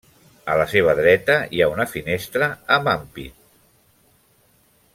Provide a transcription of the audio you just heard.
A la seva dreta hi ha una finestra amb ampit.